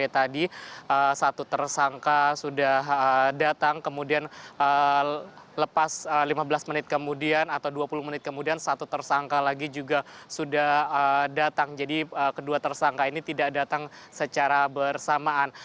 tersangka lagi juga sudah datang jadi kedua tersangka ini tidak datang secara bersamaan